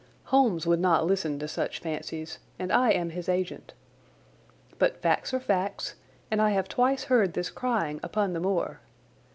Holmes would not listen to such fancies, and I am his agent. But facts are facts, and I have twice heard this crying upon the moor.